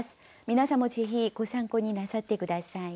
皆さんもぜひご参考になさって下さい。